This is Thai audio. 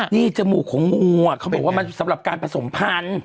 งูอ่ะเขาบอกว่ามันสำหรับการผสมภัณฑ์